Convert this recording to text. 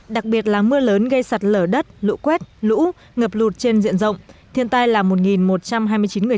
đặc biệt là mưa lớn gây sạt lở đất lũ quét lũ ngợp lụt trên diện rộng thiên tai là một một trăm hai mươi chín người